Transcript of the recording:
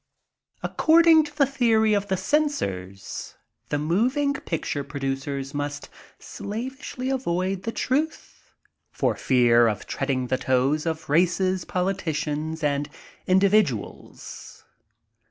According to the theory of the censors, the moving picture producers must slavishly avoid the truth, for fear of treading on the toes of races, politicians, and individuals.